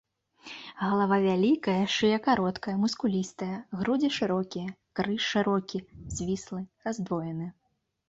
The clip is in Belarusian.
Галава вялікая, шыя кароткая, мускулістая, грудзі шырокія, крыж шырокі, звіслы, раздвоены.